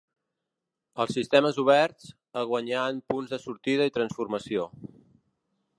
Els sistemes oberts, a guanyar en punts de sortida i transformació.